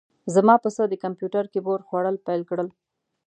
زما پسه د کمپیوتر کیبورډ خوړل پیل کړل.